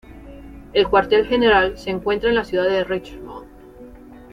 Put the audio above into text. El cuartel general se encuentra en la ciudad de Richmond.